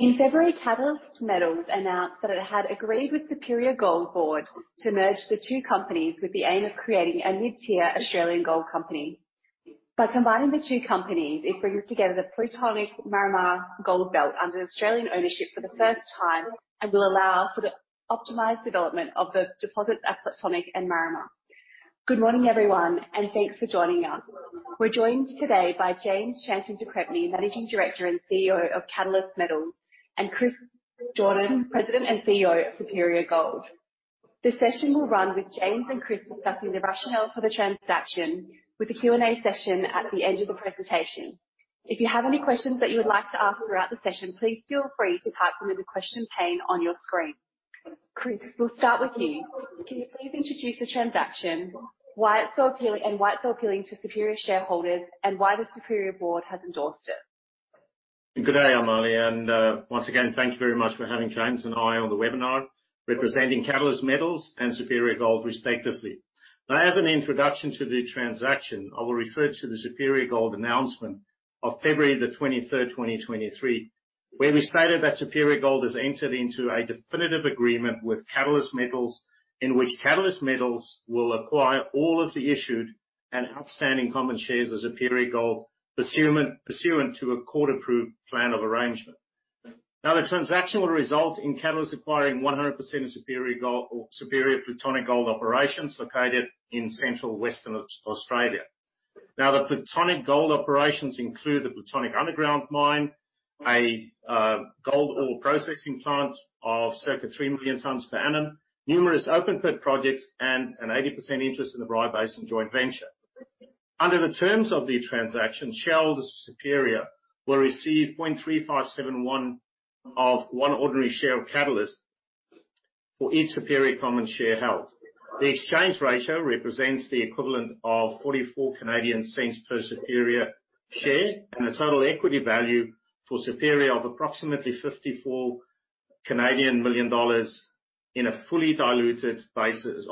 In February, Catalyst Metals announced that it had agreed with Superior Gold Board to merge the two companies with the aim of creating a mid-tier Australian gold company. By combining the two companies, it brings together the Plutonic-Marymia Gold Belt under Australian ownership for the first time, and will allow for the optimized development of the deposits at Plutonic and Marymia. Good morning, everyone, and thanks for joining us. We're joined today by James Champion de Crespigny, Managing Director and CEO of Catalyst Metals, and Chris Jordaan, President and CEO of Superior Gold. The session will run with James and Chris discussing the rationale for the transaction, with a Q&A session at the end of the presentation. If you have any questions that you would like to ask throughout the session, please feel free to type them in the question pane on your screen. Chris, we'll start with you. Can you please introduce the transaction, why it's so appealing, and why it's so appealing to Superior Gold shareholders, and why the Superior Gold board has endorsed it? Good day, Emily, once again, thank you very much for having James and I on the webinar, representing Catalyst Metals and Superior Gold, respectively. As an introduction to the transaction, I will refer to the Superior Gold announcement of February 23, 2023, where we stated that Superior Gold has entered into a definitive agreement with Catalyst Metals, in which Catalyst Metals will acquire all of the issued and outstanding common shares of Superior Gold, pursuant to a court-approved plan of arrangement. The transaction will result in Catalyst acquiring 100% of Superior Gold or Superior Plutonic Gold Operations located in central western Australia. The Plutonic Gold Operations include the Plutonic underground mine, a gold ore processing plant of circa 3 million tons per annum, numerous open pit projects, and an 80% interest in the Bryah Basin Joint Venture. Under the terms of the transaction, shareholders of Superior will receive 0.3571 of one ordinary share of Catalyst Metals for each Superior common share held. The exchange ratio represents the equivalent of 0.44 per Superior share, and a total equity value for Superior of approximately 54 million dollars on a fully diluted basis,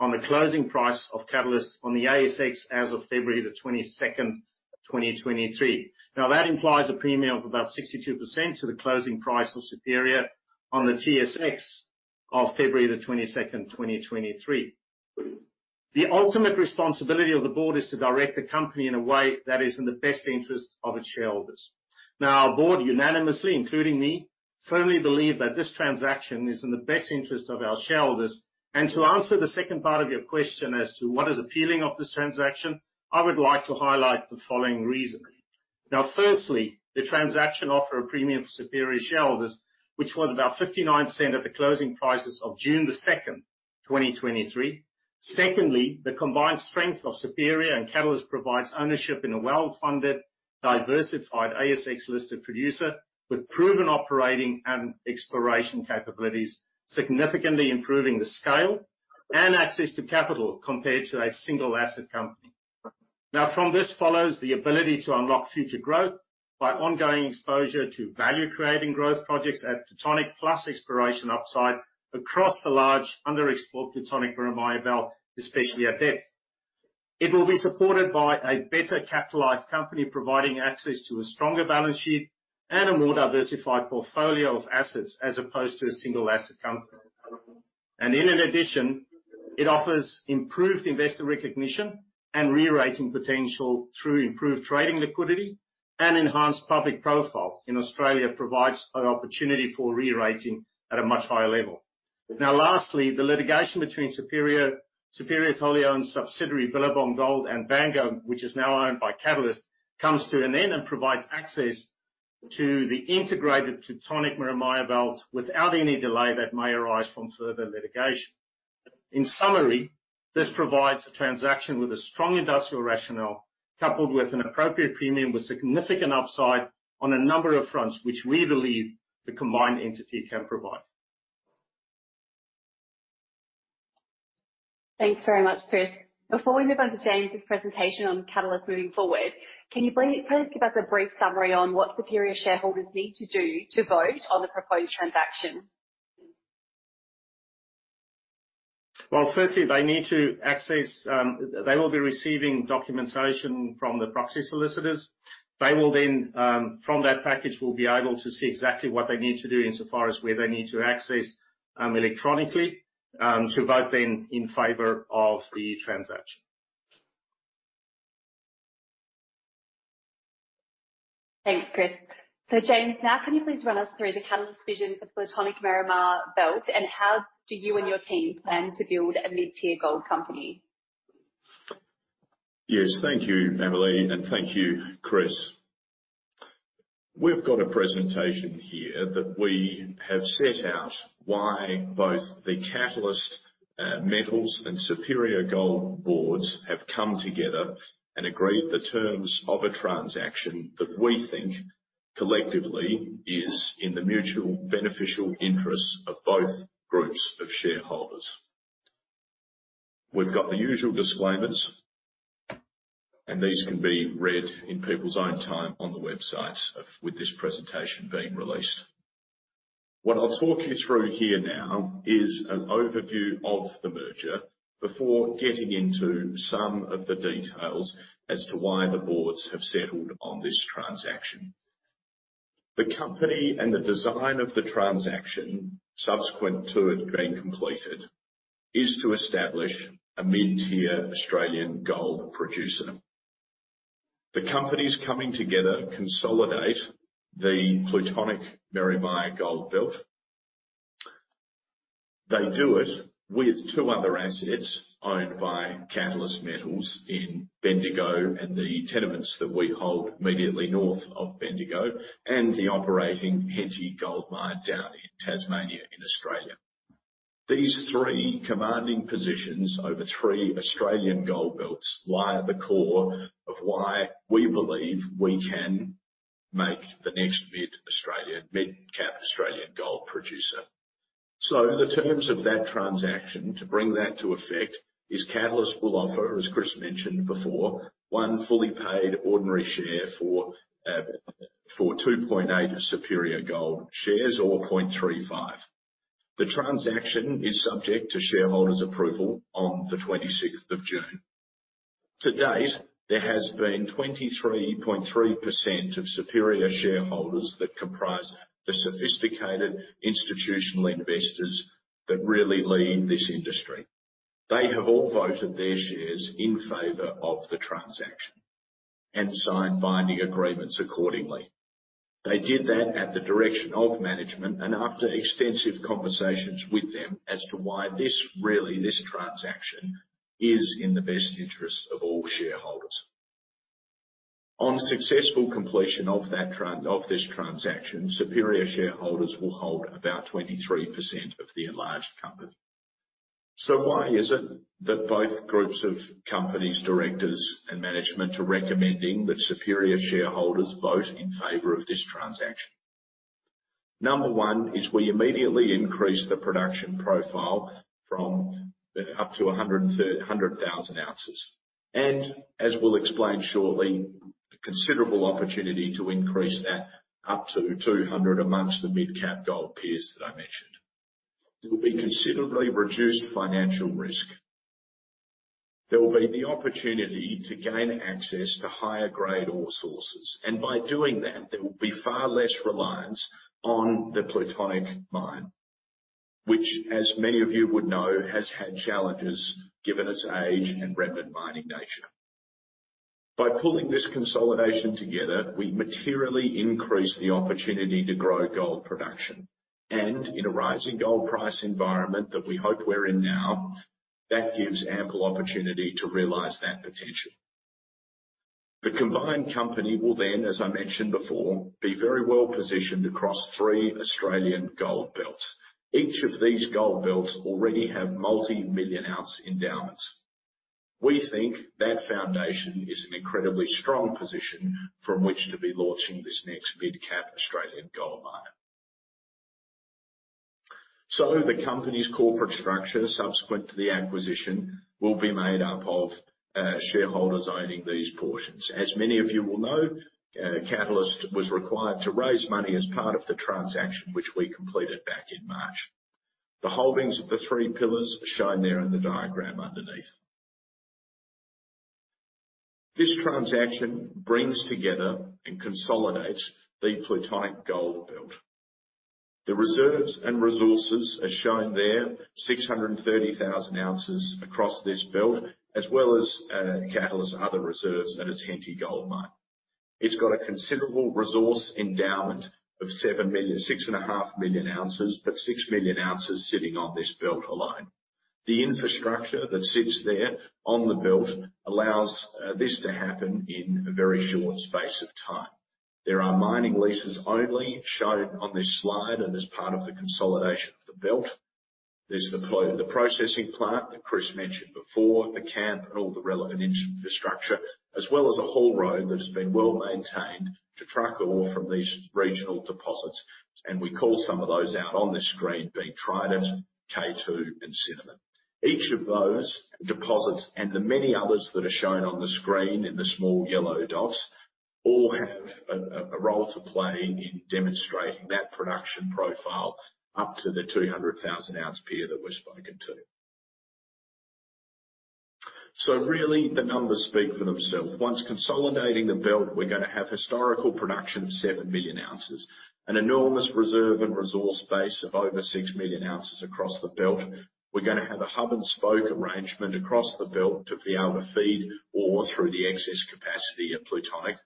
on the closing price of Catalyst Metals on the ASX, as of February the 22nd, 2023. That implies a premium of about 62% to the closing price of Superior on the TSX of February the 22nd, 2023. The ultimate responsibility of the board is to direct the company in a way that is in the best interest of its shareholders. Our board unanimously, including me, firmly believe that this transaction is in the best interest of our shareholders. To answer the second part of your question as to what is appealing of this transaction, I would like to highlight the following reasons. Firstly, the transaction offered a premium for Superior shareholders, which was about 59% of the closing prices of June 2, 2023. Secondly, the combined strength of Superior and Catalyst provides ownership in a well-funded, diversified ASX-listed producer, with proven operating and exploration capabilities, significantly improving the scale and access to capital compared to a single asset company. From this follows the ability to unlock future growth by ongoing exposure to value-creating growth projects at Plutonic, plus exploration upside across the large underexplored Plutonic-Marymia Belt, especially at depth. It will be supported by a better capitalized company, providing access to a stronger balance sheet and a more diversified portfolio of assets, as opposed to a single asset company. In addition, it offers improved investor recognition and re-rating potential through improved trading liquidity and enhanced public profile. Australia provides an opportunity for re-rating at a much higher level. Lastly, the litigation between Superior's wholly owned subsidiary, Billabong Gold, and Vango, which is now owned by Catalyst, comes to an end and provides access to the integrated Plutonic-Marymia Belt without any delay that may arise from further litigation. In summary, this provides a transaction with a strong industrial rationale, coupled with an appropriate premium with significant upside on a number of fronts, which we believe the combined entity can provide. Thanks very much, Chris. Before we move on to James' presentation on Catalyst moving forward, can you please give us a brief summary on what Superior shareholders need to do to vote on the proposed transaction? Firstly, they need to access. They will be receiving documentation from the proxy solicitors. They will then, from that package, will be able to see exactly what they need to do insofar as where they need to access, electronically, to vote then in favor of the transaction. Thanks, Chris. James, now can you please run us through the Catalyst vision for Plutonic-Marymia Belt, and how do you and your team plan to build a mid-tier gold company? Thank you, Emily, and thank you, Chris. We've got a presentation here that we have set out why both the Catalyst Metals and Superior Gold boards have come together and agreed the terms of a transaction that we think collectively is in the mutual beneficial interests of both groups of shareholders. We've got the usual disclaimers, these can be read in people's own time on the websites with this presentation being released. I'll talk you through here now is an overview of the merger before getting into some of the details as to why the boards have settled on this transaction. The company and the design of the transaction, subsequent to it being completed, is to establish a mid-tier Australian gold producer. The companies coming together consolidate the Plutonic-Marymia Gold Belt. They do it with two other assets owned by Catalyst Metals in Bendigo, and the tenements that we hold immediately north of Bendigo, and the operating Henty Gold Mine down in Tasmania, in Australia. These three commanding positions over three Australian gold belts lie at the core of why we believe we can make the next mid-Australian, mid-cap Australian gold producer. The terms of that transaction to bring that to effect is Catalyst will offer, as Chris mentioned before, one fully paid ordinary share for 2.8 Superior Gold shares or 0.35. The transaction is subject to shareholders' approval on the 26th of June. To date, there has been 23.3% of Superior shareholders that comprise the sophisticated institutional investors that really lead this industry. They have all voted their shares in favor of the transaction and signed binding agreements accordingly. They did that at the direction of management and after extensive conversations with them as to why this really, this transaction, is in the best interest of all shareholders. On successful completion of this transaction, Superior shareholders will hold about 23% of the enlarged company. Why is it that both groups of companies, directors, and management are recommending that Superior shareholders vote in favor of this transaction? Number one is we immediately increase the production profile from, up to 100,000 ounces, and as we'll explain shortly, a considerable opportunity to increase that up to 200 amongst the mid-cap gold peers that I mentioned. There will be considerably reduced financial risk. There will be the opportunity to gain access to higher-grade ore sources, by doing that, there will be far less reliance on the Plutonic mine, which, as many of you would know, has had challenges given its age and remnant mining nature. By pulling this consolidation together, we materially increase the opportunity to grow gold production. In a rising gold price environment that we hope we're in now, that gives ample opportunity to realize that potential. The combined company will, as I mentioned before, be very well-positioned across three Australian gold belts. Each of these gold belts already have multi-million-ounce endowments. We think that foundation is an incredibly strong position from which to be launching this next mid-cap Australian gold miner. The company's corporate structure, subsequent to the acquisition, will be made up of shareholders owning these portions. As many of you will know, Catalyst Metals was required to raise money as part of the transaction, which we completed back in March. The holdings of the three pillars are shown there in the diagram underneath. This transaction brings together and consolidates the Plutonic Gold Belt. The reserves and resources are shown there, 630,000 ounces across this belt, as well as Catalyst Metals' other reserves at its Henty Gold Mine. It's got a considerable resource endowment of 7 million, 6.5 million ounces, but 6 million ounces sitting on this belt alone. The infrastructure that sits there on the belt allows this to happen in a very short space of time. There are mining leases only shown on this slide, and as part of the consolidation of the belt. There's the processing plant that Chris mentioned before, the camp, and all the relevant infrastructure, as well as a haul road that has been well-maintained to track the ore from these regional deposits. We call some of those out on this screen, being Trident, K2, and Cinnamon. Each of those deposits, and the many others that are shown on the screen in the small yellow dots, all have a role to play in demonstrating that production profile up to the 200,000-ounce peer that we've spoken to. Really, the numbers speak for themselves. Once consolidating the belt, we're gonna have historical production of 7 million ounces, an enormous reserve and resource base of over 6 million ounces across the belt. We're gonna have a hub-and-spoke arrangement across the belt to be able to feed ore through the excess capacity at Plutonic.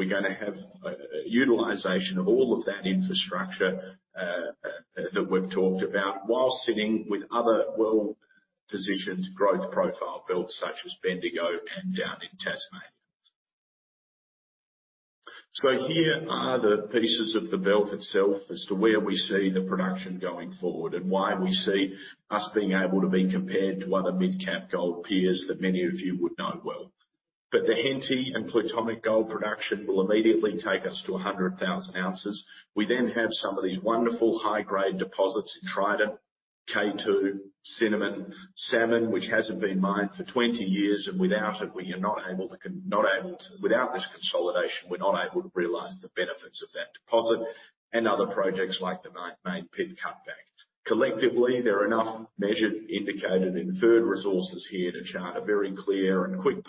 We're gonna have utilization of all of that infrastructure that we've talked about while sitting with other well-positioned growth profile belts, such as Bendigo and down in Tasmania. Here are the pieces of the belt itself as to where we see the production going forward, and why we see us being able to be compared to other mid-cap gold peers that many of you would know well. The Henty and Plutonic gold production will immediately take us to 100,000 ounces. We then have some of these wonderful high-grade deposits in Trident, K2, Cinnamon, Salmon, which hasn't been mined for 20 years, and without it, we are not able to realize the benefits of that deposit and other projects like the Main Pit cutback. Collectively, there are enough measured, indicated, and inferred resources here to chart a very clear and quick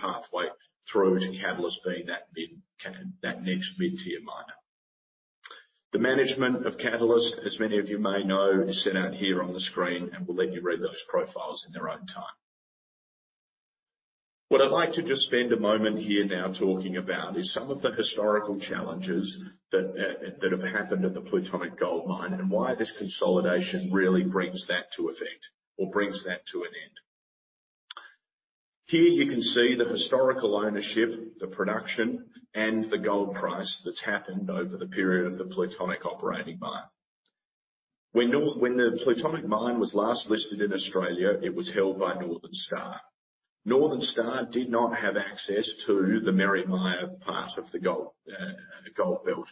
pathway through to Catalyst being that mid-cap, that next mid-tier miner. The management of Catalyst, as many of you may know, is set out here on the screen, and we'll let you read those profiles in their own time. What I'd like to just spend a moment here now talking about is some of the historical challenges that have happened at the Plutonic Gold Mine and why this consolidation really brings that to effect or brings that to an end. Here you can see the historical ownership, the production, and the gold price that's happened over the period of the Plutonic operating mine. When the Plutonic mine was last listed in Australia, it was held by Northern Star. Northern Star did not have access to the Marymia part of the gold belt.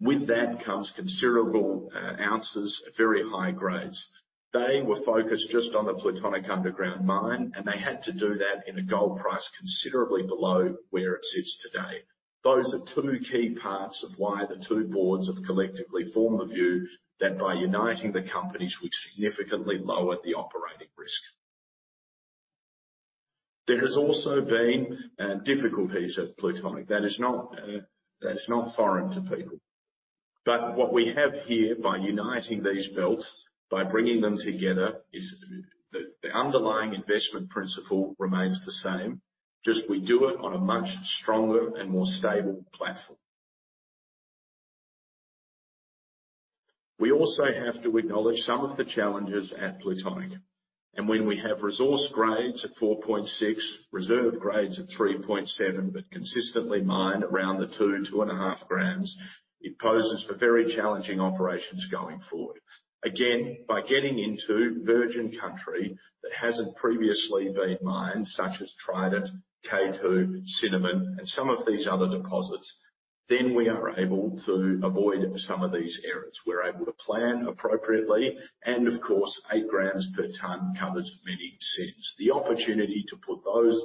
With that comes considerable ounces, very high grades. They were focused just on the Plutonic underground mine. They had to do that in a gold price considerably below where it sits today. Those are two key parts of why the two boards have collectively formed the view that by uniting the companies, we significantly lowered the operating risk. There has also been difficulties at Plutonic. That is not, that is not foreign to people. What we have here by uniting these belts, by bringing them together, is the underlying investment principle remains the same, just we do it on a much stronger and more stable platform. We also have to acknowledge some of the challenges at Plutonic. When we have resource grades at 4.6, reserve grades at 3.7, but consistently mined around the 2 and a half grams, it poses for very challenging operations going forward. Again, by getting into virgin country that hasn't previously been mined, such as Trident, K2, Cinnamon, and some of these other deposits, we are able to avoid some of these errors. We're able to plan appropriately, of course, 8 grams per tonne covers many sins. The opportunity to put those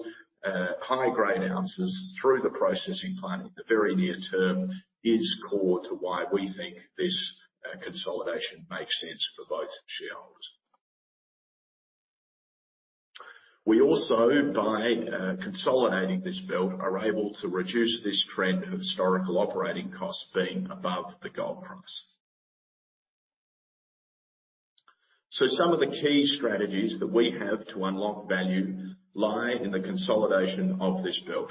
high-grade ounces through the processing plant in the very near term is core to why we think this consolidation makes sense for both shareholders. We also, by consolidating this belt, are able to reduce this trend of historical operating costs being above the gold price. Some of the key strategies that we have to unlock value lie in the consolidation of this belt.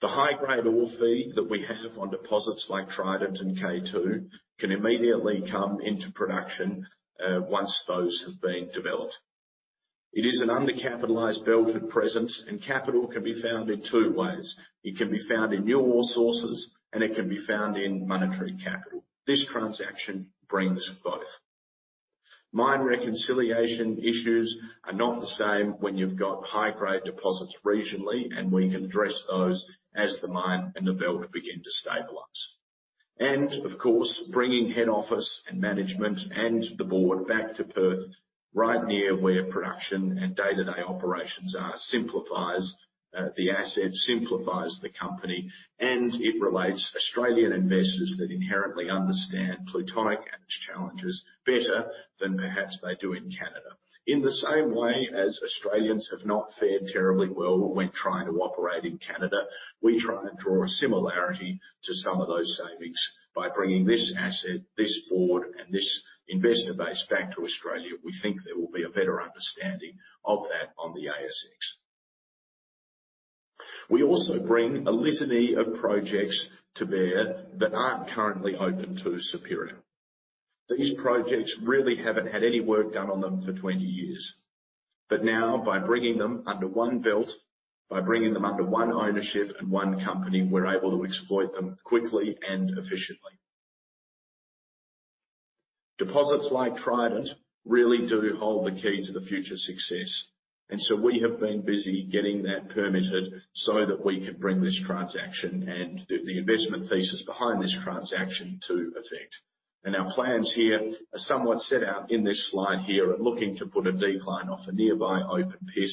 The high-grade ore feed that we have on deposits like Tridents and K2 can immediately come into production once those have been developed. It is an undercapitalized belt at present, and capital can be found in two ways. It can be found in new ore sources, and it can be found in monetary capital. This transaction brings both. Mine reconciliation issues are not the same when you've got high-grade deposits regionally, and we can address those as the mine and the belt begin to stabilize. Of course, bringing head office and management and the board back to Perth, right near where production and day-to-day operations are, simplifies the asset, simplifies the company, and it relates Australian investors that inherently understand Plutonic and its challenges better than perhaps they do in Canada. In the same way as Australians have not fared terribly well when trying to operate in Canada, we try and draw a similarity to some of those savings. By bringing this asset, this board, and this investor base back to Australia, we think there will be a better understanding of that on the ASX. We also bring a litany of projects to bear that aren't currently open to Superior. These projects really haven't had any work done on them for 20 years. By bringing them under one belt, by bringing them under one ownership and one company, we're able to exploit them quickly and efficiently. Deposits like Trident really do hold the key to the future success. We have been busy getting that permitted so that we can bring this transaction and the investment thesis behind this transaction to effect. Our plans here are somewhat set out in this slide here at looking to put a decline off a nearby open pit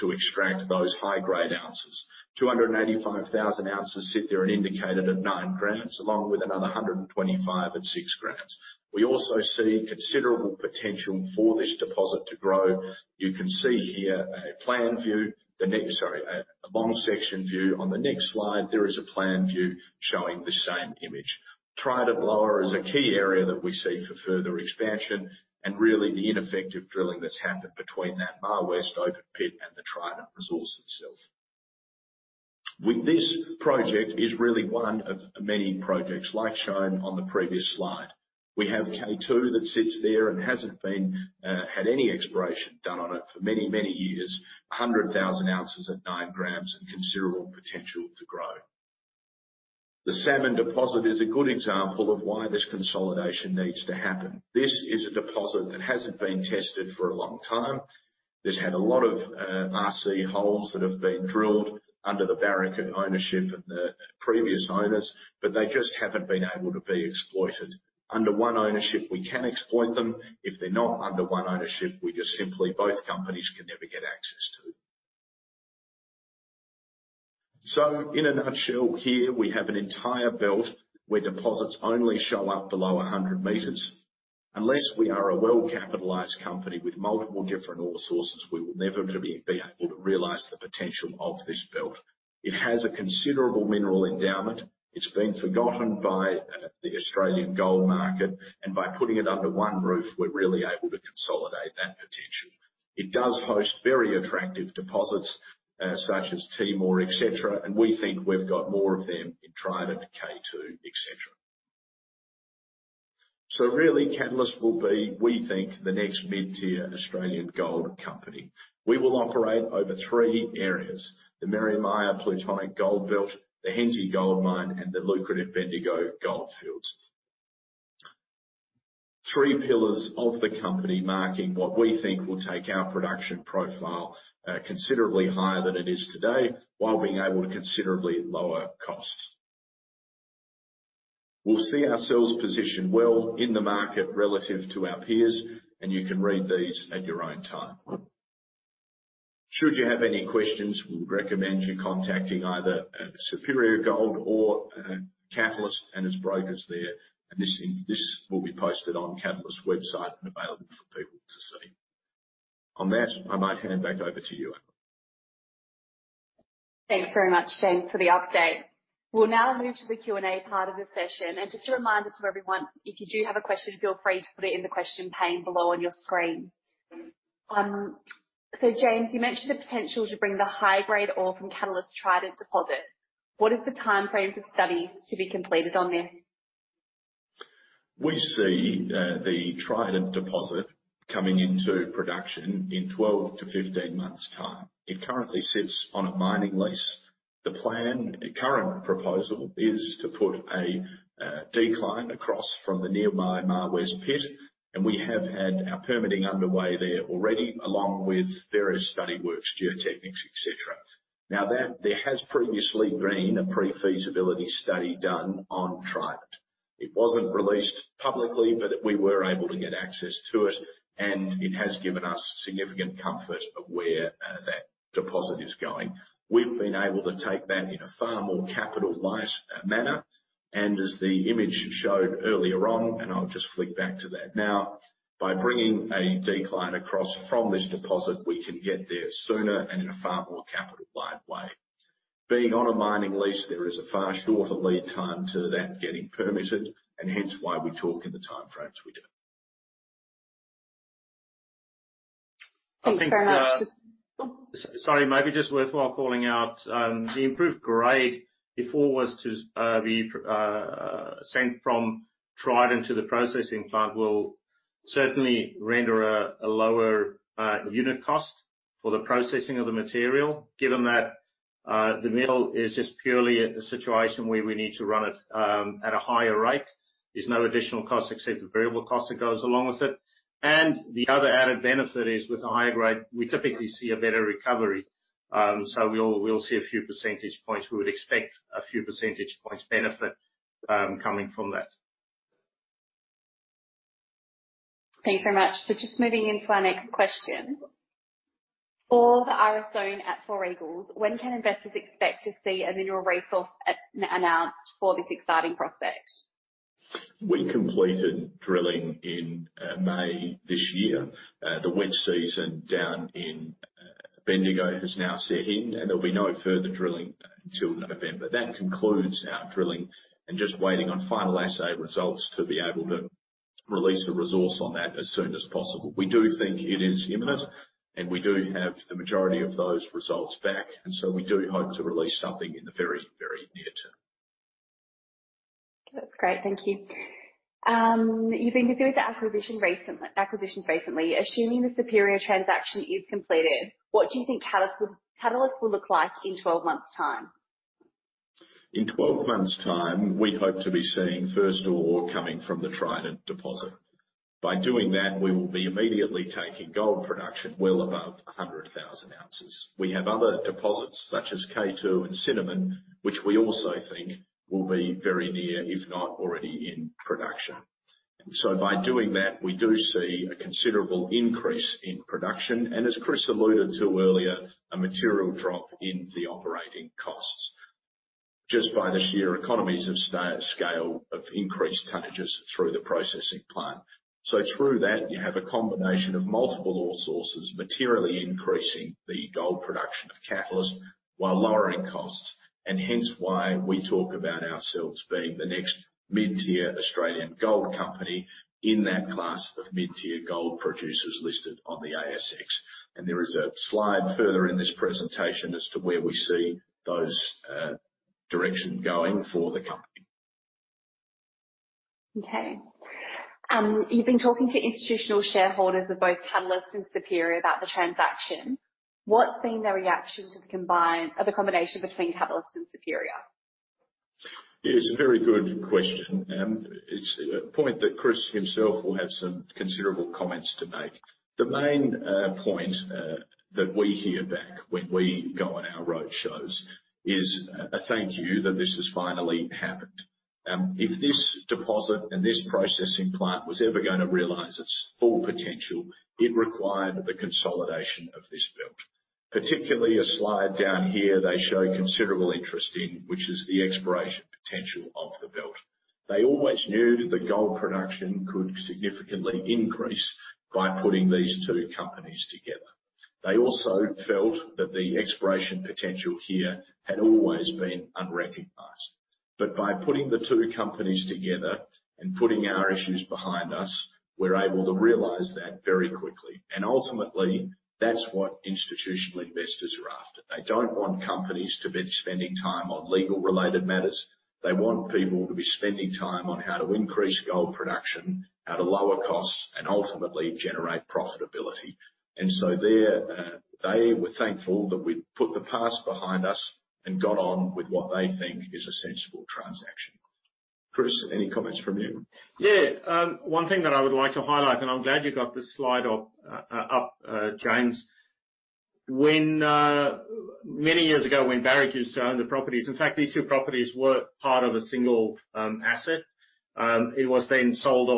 to extract those high-grade ounces. 285,000 ounces sit there and indicated at 9 grams, along with another 125 at 6 grams. We also see considerable potential for this deposit to grow. You can see here a plan view, a long section view. On the next slide, there is a plan view showing the same image. Trident Lower is a key area that we see for further expansion and really the ineffective drilling that's happened between that Marwest open pit and the Trident resource itself. With this project, is really one of many projects like shown on the previous slide. We have K2 that sits there and hasn't been had any exploration done on it for many, many years. 100,000 ounces at 9 grams and considerable potential to grow. The Salmon deposit is a good example of why this consolidation needs to happen. This is a deposit that hasn't been tested for a long time. It's had a lot of RC holes that have been drilled under the Barrick ownership and the previous owners, but they just haven't been able to be exploited. Under one ownership, we can exploit them. If they're not under one ownership, we just simply, both companies can never get access to. In a nutshell, here, we have an entire belt where deposits only show up below 100 meters. Unless we are a well-capitalized company with multiple different ore sources, we will never be able to realize the potential of this belt. It has a considerable mineral endowment. It's been forgotten by the Australian gold market, and by putting it under one roof, we're really able to consolidate that potential. It does host very attractive deposits, such as Timor, et cetera, and we think we've got more of them in Trident, K2, et cetera. Really, Catalyst will be, we think, the next mid-tier Australian gold company. We will operate over three areas: the Marymia Plutonic Gold Belt, the Henty Gold Mine, and the lucrative Bendigo Goldfields. Three pillars of the company, marking what we think will take our production profile considerably higher than it is today, while being able to considerably lower costs. We'll see ourselves positioned well in the market relative to our peers, and you can read these at your own time. Should you have any questions, we would recommend you contacting either Superior Gold or Catalyst and its brokers there, and this thing, this will be posted on Catalyst's website and available for people to see. On that, I might hand it back over to you, Amber. Thanks very much, James, for the update. We'll now move to the Q&A part of the session. Just a reminder to everyone, if you do have a question, feel free to put it in the question pane below on your screen. So James, you mentioned the potential to bring the high-grade ore from Catalyst's Trident deposit. What is the timeframe for studies to be completed on this? We see the Trident deposit coming into production in 12 to 15 months' time. It currently sits on a mining lease. The plan, the current proposal, is to put a decline across from the nearby Marwest pit, and we have had our permitting underway there already, along with various study works, geotechnics, et cetera. Now, that, there has previously been a pre-feasibility study done on Trident. It wasn't released publicly, but we were able to get access to it, and it has given us significant comfort of where that deposit is going. We've been able to take that in a far more capital light manner, and as the image showed earlier on, and I'll just flick back to that now. By bringing a decline across from this deposit, we can get there sooner and in a far more capital light way. Being on a mining lease, there is a far shorter lead time to that getting permitted, hence why we talk in the timeframes we do. Thank you very much. I think, Sorry, maybe just worthwhile calling out, the improved grade before was to be sent from Trident to the processing plant will certainly render a lower unit cost for the processing of the material, given that the mill is just purely a situation where we need to run it at a higher rate. There's no additional cost except the variable cost that goes along with it. The other added benefit is, with a higher grade, we typically see a better recovery. We'll see a few percentage points. We would expect a few percentage points benefit coming from that. Thanks very much. Just moving into our next question. For the Iris Zone at Four Eagles, when can investors expect to see a mineral resource announced for this exciting prospect? We completed drilling in May this year. The wet season down in Bendigo has now set in, there'll be no further drilling until November. That concludes our drilling, just waiting on final assay results to be able to release the resource on that as soon as possible. We do think it is imminent, we do have the majority of those results back, we do hope to release something in the very, very near term. That's great. Thank you. You've been busy with the acquisitions recently. Assuming the Superior transaction is completed, what do you think Catalyst Metals will look like in 12 months' time? In 12 months' time, we hope to be seeing first ore coming from the Trident deposit. By doing that, we will be immediately taking gold production well above 100,000 ounces. We have other deposits, such as K2 and Cinnamon, which we also think will be very near, if not already in production. By doing that, we do see a considerable increase in production, and as Chris alluded to earlier, a material drop in the operating costs, just by the sheer economies of scale, of increased tonnages through the processing plant. Through that, you have a combination of multiple ore sources, materially increasing the gold production of Catalyst, while lowering costs, and hence why we talk about ourselves being the next mid-tier Australian gold company in that class of mid-tier gold producers listed on the ASX. there is a slide further in this presentation as to where we see those, direction going for the company. Okay. You've been talking to institutional shareholders of both Catalyst and Superior about the transaction. What's been the reaction to the combination between Catalyst and Superior? It's a very good question, and it's a point that Chris himself will have some considerable comments to make. The main point that we hear back when we go on our roadshows is a thank you that this has finally happened. If this deposit and this processing plant was ever gonna realize its full potential, it required the consolidation of this belt. Particularly, a slide down here, they show considerable interest in, which is the exploration potential of the belt. They always knew that the gold production could significantly increase by putting these two companies together. They also felt that the exploration potential here had always been unrecognized. By putting the two companies together and putting our issues behind us, we're able to realize that very quickly. Ultimately, that's what institutional investors are after. They don't want companies to be spending time on legal-related matters. They want people to be spending time on how to increase gold production at a lower cost and ultimately generate profitability. There, they were thankful that we put the past behind us and got on with what they think is a sensible transaction. Chris, any comments from you? Yeah. One thing that I would like to highlight, and I'm glad you got this slide up, James. When many years ago, when Barrick used to own the properties, in fact, these two properties were part of a single asset. It was then sold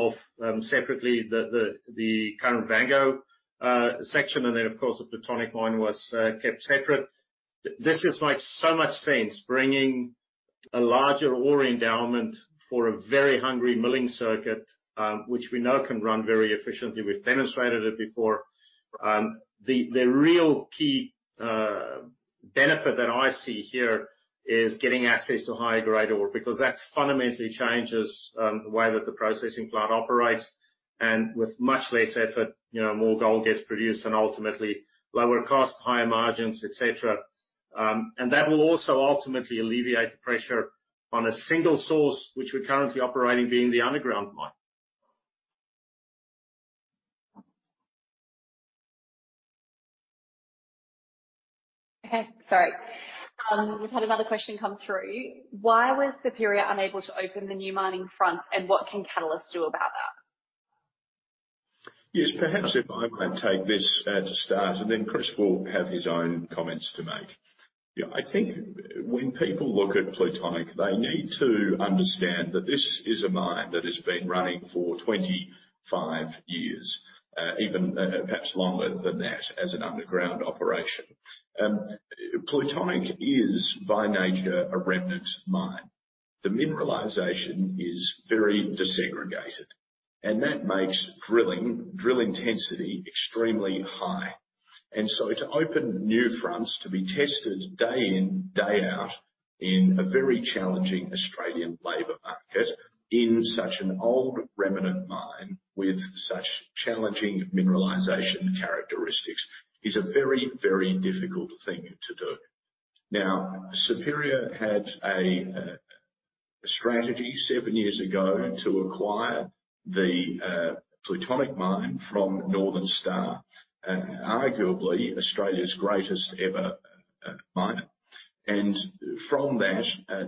off separately, the current Vango section, and then, of course, the Plutonic mine was kept separate. This just makes so much sense, bringing a larger ore endowment for a very hungry milling circuit, which we know can run very efficiently. We've demonstrated it before. The real key benefit that I see here is getting access to high-grade ore, because that fundamentally changes the way that the processing plant operates, and with much less effort, you know, more gold gets produced and ultimately lower cost, higher margins, et cetera. That will also ultimately alleviate the pressure on a single source, which we're currently operating, being the underground mine. Okay, sorry. We've had another question come through. Why was Superior unable to open the new mining front, and what can Catalyst do about that? Yes, perhaps if I might take this to start, and then Chris will have his own comments to make. Yeah, I think when people look at Plutonic, they need to understand that this is a mine that has been running for 25 years, even perhaps longer than that as an underground operation. Plutonic is, by nature, a remnant mine. The mineralization is very disaggregated, and that makes drilling, drill intensity extremely high. So to open new fronts, to be tested day in, day out, in a very challenging Australian labor market, in such an old remnant mine with such challenging mineralization characteristics, is a very, very difficult thing to do. Now, Superior had a strategy 7 years ago to acquire the Plutonic mine from Northern Star, and arguably Australia's greatest ever mine. From that,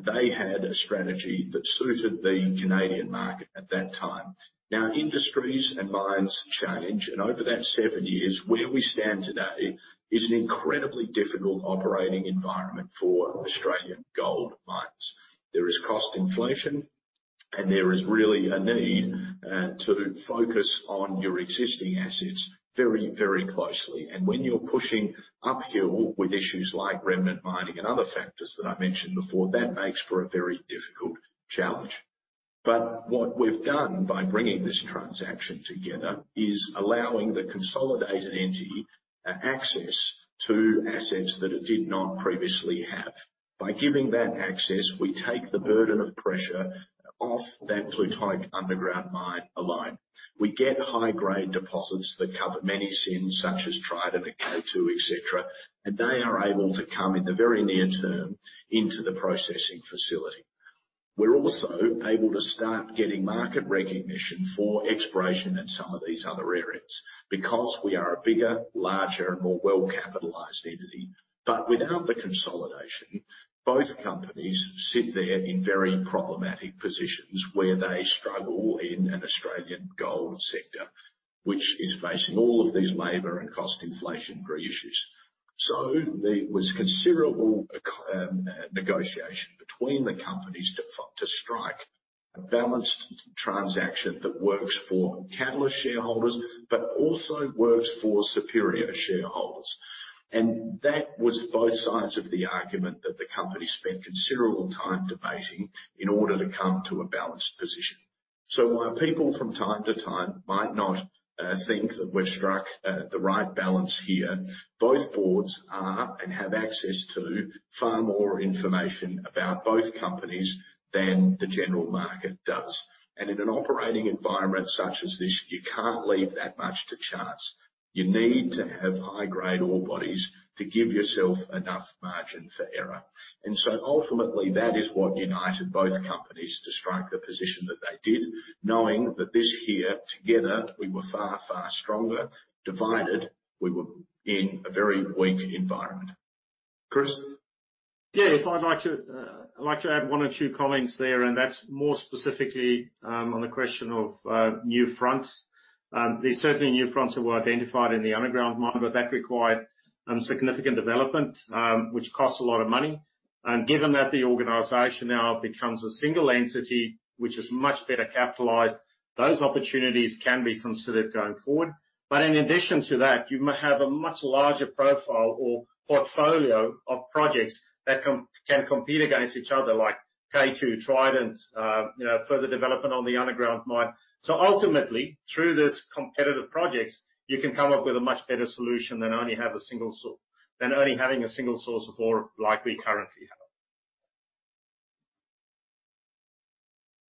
they had a strategy that suited the Canadian market at that time. Industries and mines change, and over that seven years, where we stand today is an incredibly difficult operating environment for Australian gold mines. There is cost inflation, and there is really a need to focus on your existing assets very, very closely. When you're pushing uphill with issues like remnant mining and other factors that I mentioned before, that makes for a very difficult challenge. What we've done by bringing this transaction together is allowing the consolidated entity access to assets that it did not previously have. By giving that access, we take the burden of pressure off that Plutonic underground mine alone. We get high-grade deposits that cover many sins, such as Trident and K2, et cetera, and they are able to come in the very near term into the processing facility. We're also able to start getting market recognition for exploration in some of these other areas because we are a bigger, larger, and more well-capitalized entity. Without the consolidation, both companies sit there in very problematic positions, where they struggle in an Australian gold sector, which is facing all of these labor and cost inflation issues. There was considerable negotiation between the companies to strike a balanced transaction that works for Catalyst shareholders, but also works for Superior shareholders. That was both sides of the argument that the company spent considerable time debating in order to come to a balanced position. While people from time to time might not think that we've struck the right balance here, both boards are, and have access to, far more information about both companies than the general market does. In an operating environment such as this, you can't leave that much to chance. You need to have high-grade ore bodies to give yourself enough margin for error. Ultimately, that is what united both companies to strike the position that they did, knowing that this here, together, we were far, far stronger. Divided, we were in a very weak environment. Chris? Yeah, if I'd like to add one or two comments there, that's more specifically on the question of new fronts. There's certainly new fronts that were identified in the underground mine, that required significant development, which costs a lot of money. Given that the organization now becomes a single entity, which is much better capitalized, those opportunities can be considered going forward. In addition to that, you might have a much larger profile or portfolio of projects that can compete against each other, like K2, Trident, you know, further development on the underground mine. Ultimately, through this competitive projects, you can come up with a much better solution than only having a single source of ore like we currently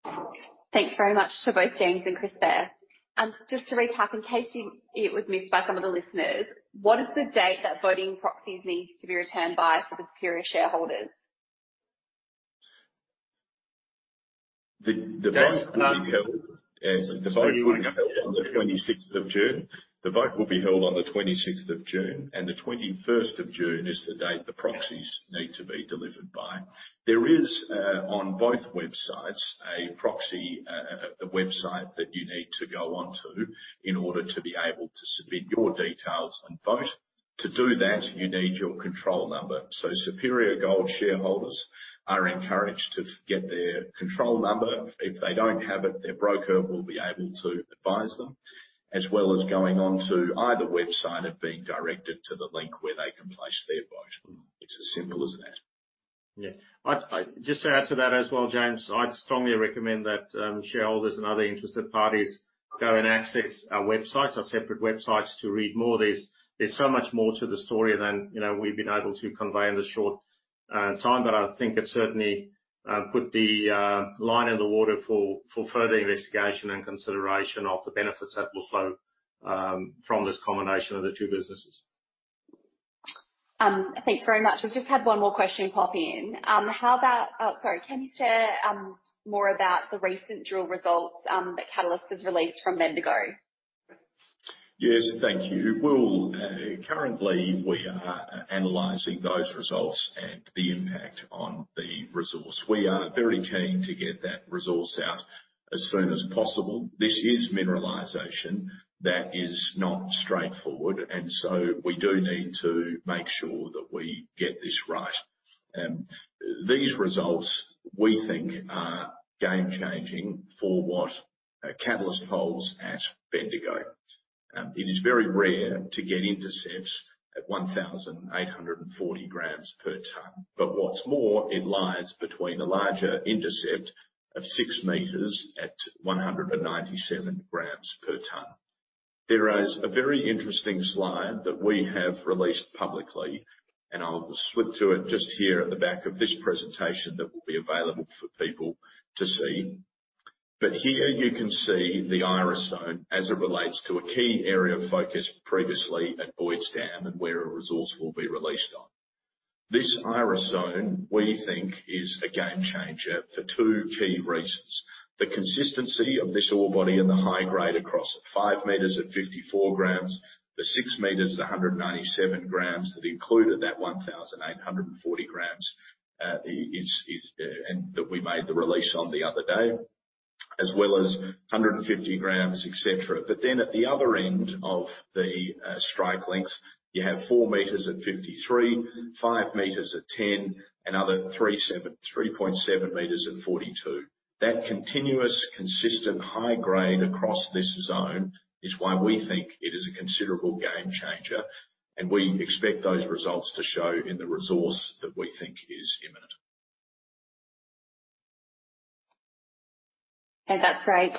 have. Thanks very much to both James and Chris there. Just to recap, in case it was missed by some of the listeners, what is the date that voting proxies needs to be returned by for the Superior shareholders? The vote will be held. Yes. The vote will be held on the 26th of June. The vote will be held on the 26th of June. The 21st of June is the date the proxies need to be delivered by. There is on both websites, a proxy, a website that you need to go on to in order to be able to submit your details and vote. To do that, you need your control number. Superior Gold shareholders are encouraged to get their control number. If they don't have it, their broker will be able to advise them, as well as going on to either website and being directed to the link where they can place their vote. It's as simple as that. Yeah. Just to add to that as well, James, I'd strongly recommend that shareholders and other interested parties go and access our websites, our separate websites, to read more. There's so much more to the story than, you know, we've been able to convey in the short time. I think it certainly put the line in the water for further investigation and consideration of the benefits that will flow from this combination of the two businesses. Thanks very much. We've just had one more question pop in. Sorry, can you share more about the recent drill results that Catalyst has released from Bendigo? Yes, thank you. We'll Currently, we are analyzing those results and the impact on the resource. We are very keen to get that resource out as soon as possible. This is mineralization that is not straightforward. We do need to make sure that we get this right. These results, we think, are game-changing for what Catalyst holds at Bendigo. It is very rare to get intercepts at 1,840 grams per tonne. What's more, it lies between a larger intercept of 6 meters at 197 grams per tonne. There is a very interesting slide that we have released publicly, and I'll slip to it just here at the back of this presentation that will be available for people to see. Here you can see the Iris Zone as it relates to a key area of focus previously at Boyd's Dam and where a resource will be released on. This Iris Zone, we think, is a game changer for two key reasons: the consistency of this ore body and the high grade across it, 5 meters at 54 grams, the 6 meters at 197 grams that included that 1,840 grams, is, and that we made the release on the other day, as well as 150 grams, et cetera. At the other end of the strike length, you have 4 meters at 53, 5 meters at 10, another 3.7 meters at 42. That continuous, consistent, high grade across this zone is why we think it is a considerable game changer, and we expect those results to show in the resource that we think is imminent. That's great.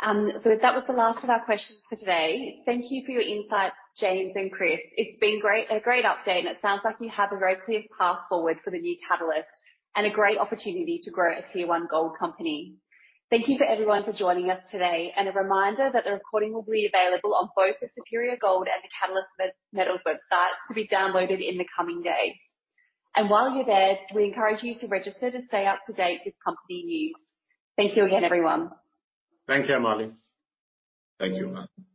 That was the last of our questions for today. Thank you for your insight, James and Chris. It's been great, a great update, and it sounds like you have a very clear path forward for the new Catalyst Metals and a great opportunity to grow a tier one gold company. Thank you to everyone for joining us today. A reminder that the recording will be available on both the Superior Gold and the Catalyst Metals website to be downloaded in the coming days. While you're there, we encourage you to register to stay up to date with company news. Thank you again, everyone. Thank you, Emily. Thank you, Emily.